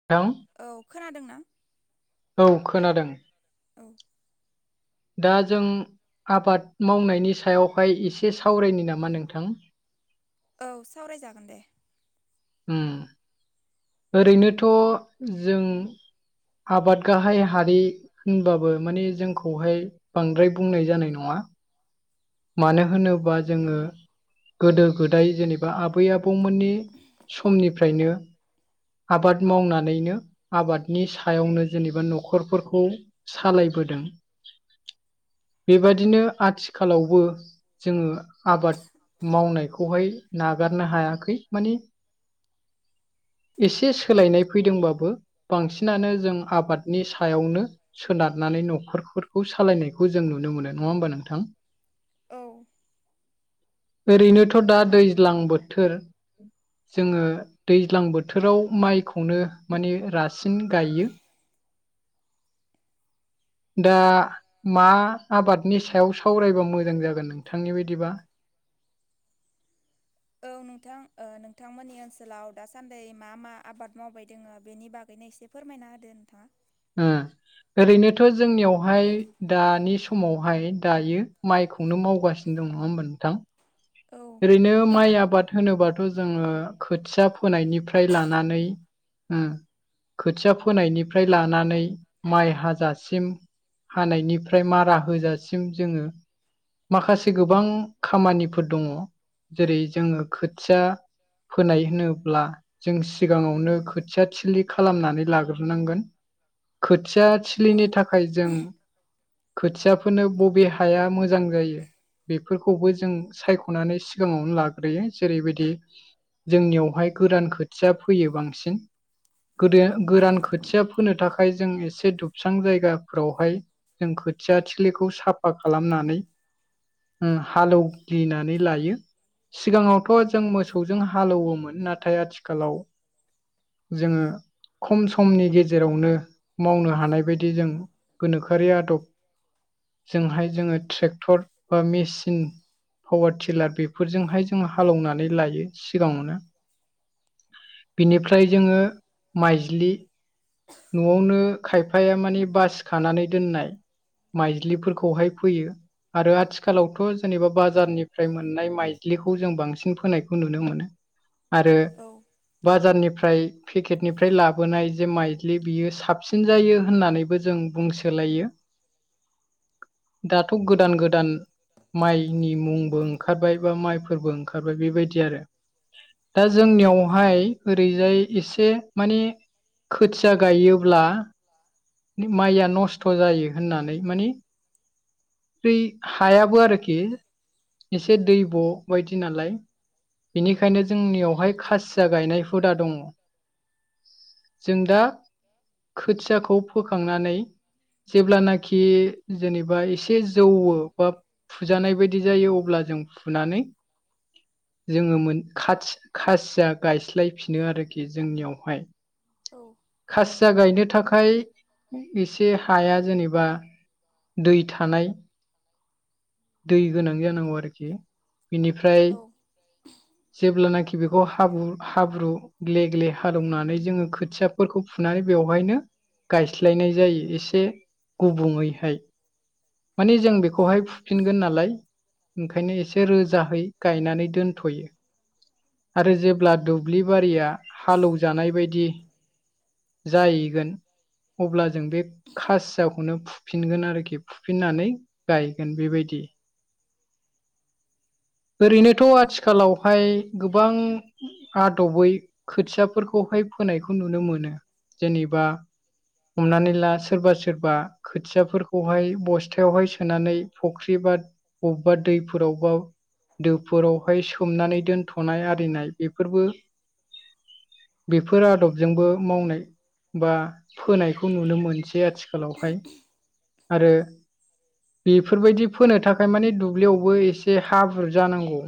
[unintelligible] औ खोनादोंना? औ खोनादों उम दा जों आबाद मावनायनि सायावहाय इसे सावरायनि नामा नोंथां औ सावरायजागोन दे उम ओरैनोथ' जों आबाद गाहाय हारि होनबाबो माने जोंखौहाय बांद्राय बुंनाय जानाय नङा मानो होनोबा जोङो गोदो गोदाय जेनेबा आबै आबौमोननि समनिफ्रायनो आबाद मावनानैनो आबादनि सायावनो जेनेबा न'खरफोरखौ सालायबोदों बेबादिनो आथिखालावबो जोङो आबाद मावनायखौहाय नागारनो हायाखै मानि [inaudible] इसे सोलायनाय फैदोंबाबो बांसिनानो जों आबादनि सायावनो सोनारनानै न'खरफोरखौ सालायनायखौ जों नुनो मोनो नङा होमबा नोंथां औ ओरैनोथ' दा दैज्लां बोथोर जोङो दैज्लां बोथोराव माइखौनो माने रासिन गायो दा मा आबादनि सायाव सावरायबा मोजां जागोन नोंथांनि बायदिबा औ नोंथां ओ नोंथांमोननि ओनसोलाव दासान्दै मा मा आबाद मावबाय दोङो बेनि बागैनो एसे फोरमायना होदो नोंथां ओ ओरैनोथ' जोंनियावहाय दानि समावहाय दायो माइखौनो मावगासि दं नङा होमबा नोंथां ओरैनो माइ आबाद होनोबा थ' जोङो खोथिया फोनायनिफ्राय लानानै ओ खोथिया फोनायनिफ्राय लानानै माइ हाजासिम हानायनिफ्राय मारा होजासिम जोङो माखासे गोबां खामानिफोर दङ जेरै जोङो खोथिया फोनाय होनोब्ला जों सिगाङावनो खोथिया थलि खालामनानै लाग्रोनांगोन खोथिया थि फ्लिनि थाखाय जों खोथियाफोरनो बबे हाया मोजां जायो बेफोरखौबो जों सायख' ह'नानै सिगाङावनो लाग्रोयो जेरैबायदि जोंनियावहाय गोरान खोथिया फोयो बांसिन गोदो गोरान खोथिया फोनो थाखाय जों एसे दुबसां जायगाफ्रावहाय जों खोथिया थिलिखौ साफा खालामनानै ओ हालौवग्लिनानै लायो सिगाङावथ' जों मोसौजों हालौवोमोन नाथाय आथिखालाव जोङो खम समनि गेजेरावनो मावनो हानाय बायदि जों गोनोखोआरि आदब जोंहाय जोङो ट्रेक्टर बा मेसिन पावार थि टिलार बेफोरजोंहाय जोङो हालौनानै लायो सिगाङावनो बिनिफ्राय जोङो माइज्लि न'आवनो खायफाया मानि बासिखानानै दोननाय माइज्लिफोरखौहाय फोयो आरो आथिखालावथ' जेनेबा बाजारनि फ्राय मोननाय माइज्लिखौ जों बांसिन फोनायखौ नुनो मोनो। आरो बाजारनिफ्राय पेकेटनिफ्राय लाबोनाय जे माइज्लि बियो साबसिन जायो होननानैबो जों बुंसोलायो [inaudible] दाथ' गोदान गोदान माइनि मुं बो ओंखारबाय बा माइफोरबो ओंखारबाय बेबायदि आरो दा जों बेयावहाय ओरैजाय एसे माने खोथिया गायोब्ला माइया नस्थ' जायो होननानै माने बै हायाबो आरोखि एसे दैब' बायदि नालाय बेनिखायनो जोंनियावहाय खासिया गायनाय हुदा दङ। जों दा खोथियाखौ फोखांनानै जेब्लानाखि जेनेबा एसे जौवो बा फुजानाय बायदि जायो अब्ला जों फुनानै जोङो मोन खाथि खासिया गायस्लायफिनो आरोखि जोंनियावहाय। खासिया गायनो थाखाय एसे हाया जेनेबा दै थानाय दै गोनां जानांगौ आरोखि बेनिफ्राय जेब्लानाखि बेखौ हाब्रु हाब्रु ग्ले ग्ले हालेवनानै जोङो खोथिया फोरखौ फुनानै बेवहायनो गायस्लायनाय जायो एसे गुबुङैहाय। माने जों बेखौहाय फुफिनगोन नालाय ओंखायनो एसे रोजाहै गायनानै दोनथ'यो। आरो जेब्ला दुब्लिबारिया हालौजानाय बायदि जाहैगोन। अब्ला जों बे खासियाखौनो फुफिनगोन आरोखि फुफिननानै गायगोन बेबायदि। ओरैनो दाथ' आथिखालावहाय गोबां आदबै खोथियाफोरखौहाय फोनायखौ नुनो मोनो जेनेबा हमनानै ला सोरबा सोरबा खोथियाफोरखौहाय बस्थायावहाय सोनानै फुख्रि बा बबेबा दैफोरावबा दैफोरावहाय सोमनानै दोनथ'नाय आरिनाय बेफोरबो बेफोर आदबजोंबो मावनाय बा फोनायखौ नुनो मोनसै आथिखालावहाय आरो बेफोरबायदि फोनो थाखाय मानि दुब्लियावबो एसे हाब्रु जानांगौ।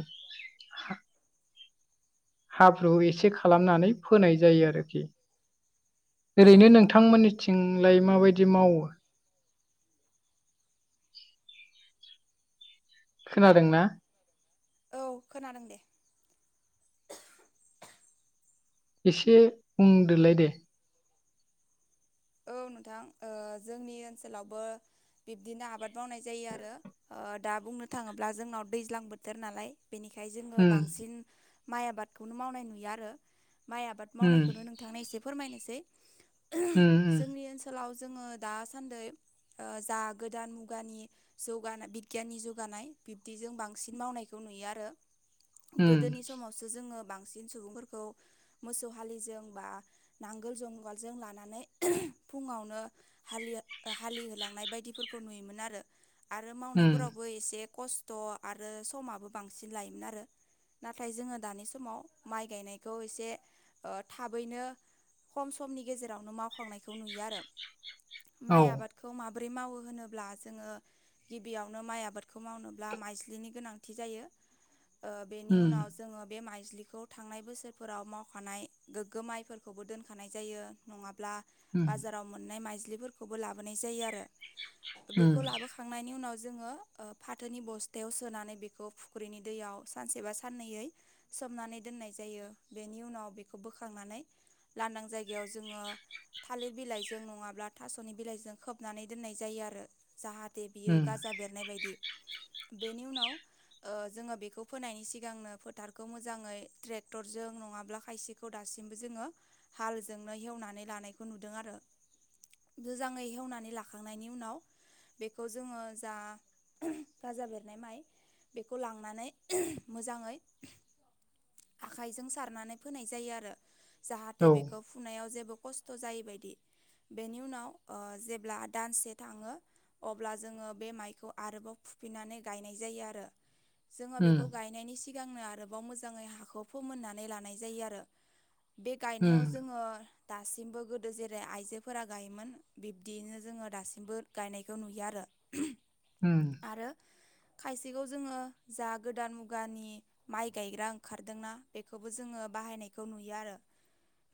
हाब्रु एसे खालामनानै फोनाय जायो आरोखि। ओरैनो नोंथांमोननिथिंलाय माबायदि मावो? खोनादों ना? औ खोनादों दे। एसे बुंदोलाय दे। औ नोंथां जोंनि ओनसोलावबो बिब्दिनो आबाद मावनाय जायो आरो। दा बुंनो थाङोब्ला जोंनाव दैज्लां बोथोर नालाय बेनिखाय जोङो उम बांसिन माइ आबादखौनो मावनाय नुयो आरो। माइ आबाद उम मावनायखौनो एसे फोरमायनोसै। [inaudible] जोंनि ओनसोलाव जोङो दासान्दै ओ जा गोदान मुगानि जौगानाय बिगियाननि जौगानाय बिब्दिजों बांसिन मावनायखौ नुयो आरो। उम गोदोनि समावसो जोङो बांसिन सुबुंफोरखौ मोसौ हालिजों बा नांगोल जुंगालजों लानानै फुङावनो हालि होलांनाय बायदिफोरखौ नुयोमोन आरो। आरो उम मावनायफोरावबो एसे खस्थ' आरो समाबो बांसिन लायोमोन आरो। नाथाय जोङो दानि समाव माइ गायनायखौ एसे थाबैनो खम समनि गेजेरावनो मावखांनायखौ नुयो आरो औ माइ आबाद खौ माबोरै मावो होनोब्ला जोङो गिबियावनो माइ आबादखौ मावनोब्ला माइज्लिनि गोनांथि जायो बेनि उम उनाव जोङो बे माइज्लिखौ थांनाय बोसोरफोराव मावखानाय गोग्गो माइफोरखौबो दोनखानाय जायो नङाब्ला बाजाराव मोननाय माइज्लिफोरखौबो लाबोनाय जायो आरो उम बेखौ लाबोख खांनायनि उनाव जोङो ओ फाथोनि बस्थायाव सोनानै बेखौ फुख्रिनि दैयाव सानसेबा साननैयै सोमनानै दोननाय जायो बेनि उनाव बेखौ बोखांनानै लानदां जायगायाव जोङो थालिर बिलाइजों नङाब्ला थास'नि बिलाइजों खोबनानै दोननाय जायो आरो जाहाथे बियो उम गाजा बेरनाय बायदि बेनि उनाव ओ जोङो बेखौ फोनायनि सिगांनो फोथारखौ मोजाङै ट्रेक्टरजों नङाब्ला खायसे बे दासिमबो जोङो हालजोंनो हेवनानै लानायखौ नुदों आरो मोजाङै हेवनानै लाखांनायनि उनाव बेखौ जोङो जा गाजा बेरनाय माइ बेखौ लांनानै मोजाङै आखाइजों सारनानै फोनाय जायो आरो जाहाथे औ बेखौ फुनायाव जेबो खस्थ' खस्थ' जायैबायायदि बेनि उनाव ओ जेब्ला दानसे थाङो अब्ला जोङो बे माइखौ आरोबाव फुफिन्नानै गायनाय जायो आरो जोङो उम बेखौ गायनायनि सिगांनो आरोबाव मोजाङै हाखौ फोमोननानै लानाय जायो आरो बे गायनायाव उम जोङो दा दासिमबो गोदो जेरै आइजोफोरा गायोमोन बिब्दियैनो जोङो दासिमबो गायनायखौ नुयो आरो [inaudible] ओम आरो खायसेखौ जोङो जा गोदान मुगानि माइ गायग्रा ओंखारदोंना बेखौबो जोङो बाहायनायखौ नुयो आरो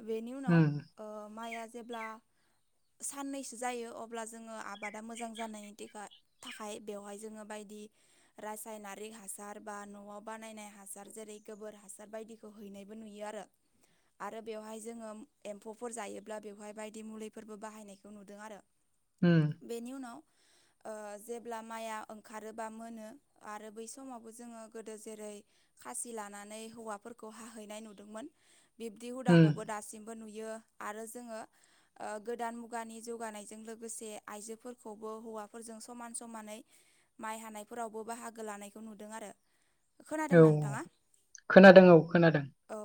बेनि उनाव उम ओ माइआ जेब्ला साननैसो जायो अब्ला जोङो आबादा मोजां जानायनि थाखा थाखाय बेवहाय जोङो बायदि रासायनारिक हासार बा न'आव बानायनाय हासार जेरै गोबोर हासार बायदि हैनायबो नुयो आरो बेवहाय जोङ एम्फौफोर जायोब्ला बेवहाय बाय म बेफोरबो बाहायनायखौ नुदों आरो ओम बेनि उनाव ओ जेब्ला माइआ ओंखारोबा मोनो आरो बै समावबो जोङो गोदो जेरै खासि लानानै हौवाफोरखौ हाहैनाय नुदोंमोन बिब्दि उम हुदाखौबो दासिमबो नुयो आरो जोङो ओ गोदान मुगानि जौगानायजों लोगोसे आइजोफोरखौबो हौवाफोरजों समान समानै माइ हानायफोरावबो बाहागो लानायखौ नुदों आरो औ खोनादोंना नोंथाङा? खोनादों औ खोनादों औ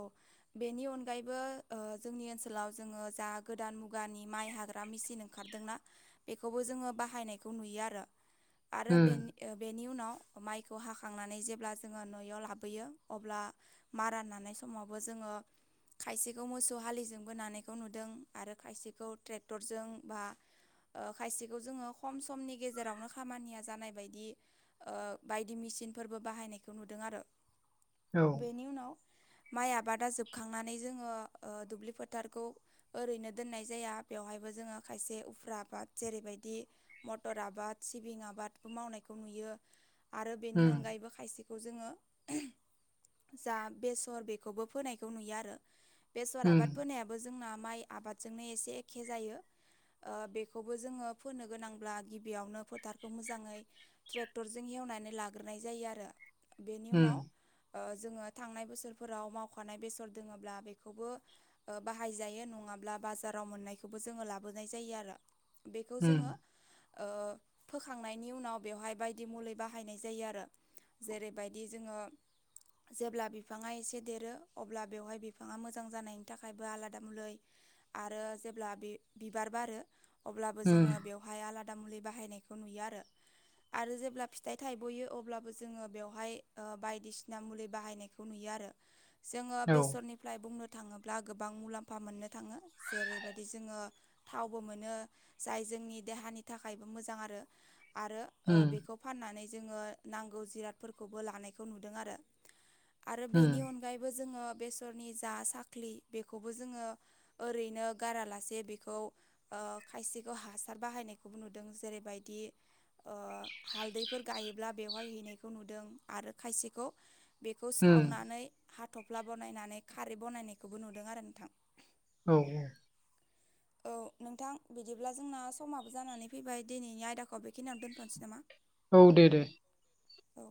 बेनि अनगायैबो ओ जोंनि ओनसोलाव जोङो जा गोदान मुग गानि माइ हाग्रा मेचिन ओंखारदोंना बेखौबो जोङो बाहायनायखौ नुयो आरो आरो उम बेनि ओ बेनि उनाव माइखौ हाखांनानै जेब्ला जोङो नआव लाबोयो अब्ला मारा नानाय समावबो जोङो खायसेखौ मोसौ हालिजोंबो नानायखौ नुदों आरो खायसेखौ ट्रेक्टरजों बा ओ खायसेखौ जोङो खम समनि गेजेरावनो खामानिया जानाय बायदि ओ बायदि मेसिनफोरबो बाहायनायखौ नुदों आरो औ बेनि उनाव माइ आबादा जोबखांनानै जोङो ओ दुब्लि फोथारखौ ओरैनो दोननाय जाया बेवहायबो जोङो खायसे उफ्रा आ बाद जेरैबायदि मटर आबाद सिबिं आबादबो मावनायखौ नुयो आरो बेनि उम अनगायैबो खायसे खौ जोङो जा बेसर बेखौबो फोनायखौ नुयो आरो बेसर उम आबाद फोनायाबो जोंना माइ आबादजोंनो एसे एखे जायो ओ बेखौबो जोङो फोनो गोनांब्ला गिबियावनो फोथारखौ मोजाङै ट्रेक्टरजों एवनानै लाग्रोनाय जायो आरो बेनि उम उनाव ओ जोङो थांनाय बोसोरफोराव मावखानाय बेसर दोङोब्ला बेखौबो ओ बाहायजायो नङाब्ला बाजाराव मोननायखौबो जोङो लाबोनाय जायो आरो बेखौ उम जोङो ओ फोखांनायनि उनाव बेवहाय बायदि मुलि बाहायनाय जायो आरो जेरैबायदि जोङो जेब्ला बिफाङा एसे देरो अब्ला बेवहाय बिफाङा मोजां जानायनि थाखायबो आलादा मुलै आरो जेब्ला बि-बिबार बारो अब्लाबो जोङो उम बेयाव हाय आलादा मुलि बाहायनायखौ नुयो आरो। आरो जेब्ला फिथाइ थाइबयो अब्लाबो जोङो बेवहाय ओ बायदिसिना मुलि बाहायनाय खौ नुयो आरो जोङो औ बेसरनिफ्राय बुंनो थाङोब्ला गोबां मुलाम्फा मोननो थाङो। जेरैबायदि जोङो थावबो मोनो जाय जोंनि देहानि थाखायबो मोजां आरो। आरो ओ उम बेखौ फाननानै जोङो नांगौ जिरादफोरखौबो लानायखौ नुदों आरो आरो बेनि उम अनगायैबो जोङो बेसरनि जा साखलि बेखौबो जोङो ओरैनो गारालासे बेखौ ओ खायसेखौ हासार बाहायनायखौबो नुदों। जेरैबायदि ओ हालदैफोर गायोब्ला बेवहाय हैनायखौ नुदों आरो खायसेखौ बेखौ उम सावनानै हाथ'फ्ला बनायनानै खारै बानायनायखौबो नुदों आरो नोंथां। औ औ औ नोंथां बिदिब्ला जोंना समाबो जानानै फैबाय दिनैनि आयदाखौ बेखिनियावनो दोनथ'नोसै नामा? औ दे दे। औ